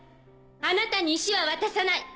あなたに石は渡さない。